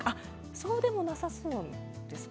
そうでもなさそうですか？